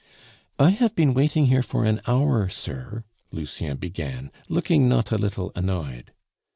"I have been waiting here for an hour, sir," Lucien began, looking not a little annoyed.